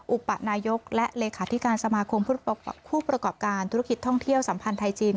อุปนายกและเลขาธิการสมาคมผู้ประกอบการธุรกิจท่องเที่ยวสัมพันธ์ไทยจีน